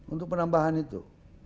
untuk penambahan itu